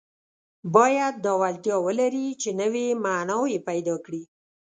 باید دا وړتیا ولري چې نوي معناوې پیدا کړي.